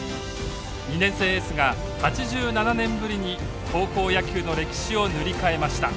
２年生エースが８７年ぶりに高校野球の歴史を塗り替えました。